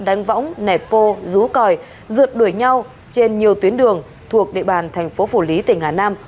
đánh võng nẹt bô rú còi rượt đuổi nhau trên nhiều tuyến đường thuộc địa bàn thành phố phủ lý tỉnh hà nam